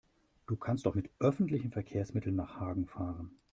Du kannst doch mit öffentlichen Verkehrsmitteln nach Hagen fahren